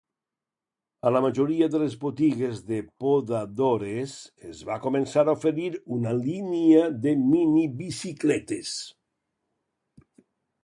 A la majoria de les botigues de podadores es va començar a oferir una línia de minibicicletes.